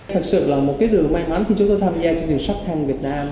thật sự là một cái đường may mắn khi chúng ta tham gia chương trình sắc tanh việt nam